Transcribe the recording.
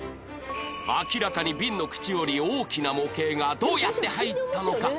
明らかに瓶の口より大きな模型がどうやって入ったのか？